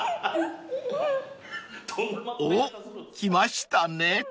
［おっ来ましたね］